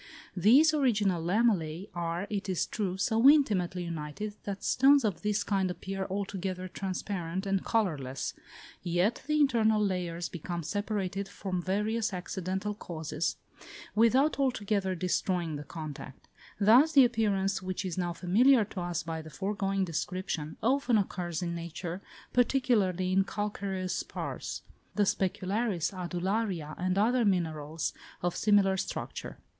These original lamellæ are, it is true, so intimately united, that stones of this kind appear altogether transparent and colourless, yet, the internal layers become separated, from various accidental causes, without altogether destroying the contact: thus the appearance, which is now familiar to us by the foregoing description, often occurs in nature, particularly in calcareous spars; the specularis, adularia, and other minerals of similar structure.